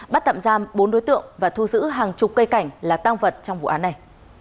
bắt tạm giam bốn đối tượng và thu giữ hàng chục cây cảnh là tăng vật trong vụ án này